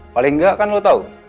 paling enggak kan lo tau